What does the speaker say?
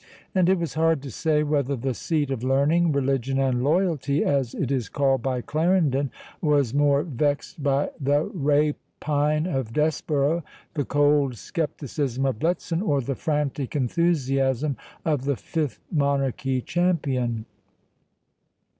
And it was hard to say, whether the seat of Learning, Religion, and Loyalty, as it is called by Clarendon, was more vexed by the rapine of Desborough, the cold scepticism of Bletson, or the frantic enthusiasm of the Fifth Monarchy Champion.